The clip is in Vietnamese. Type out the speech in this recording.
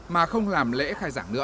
mà không làm lễ khai giảng nữa